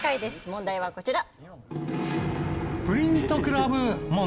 問題はこちら。